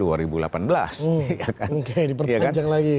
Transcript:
oke diperpanjang lagi